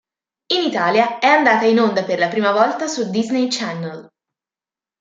In Italia è andata in onda per la prima volta su Disney Channel.